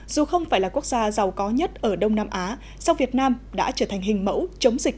dù không phải là quốc gia giàu có nhất ở đông nam á song việt nam đã trở thành hình mẫu chống dịch